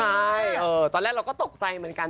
ใช่ตอนแรกเราก็ตกใจเหมือนกัน